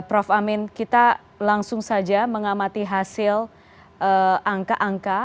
prof amin kita langsung saja mengamati hasil angka angka